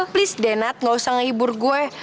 please denat nggak usah ngibur gue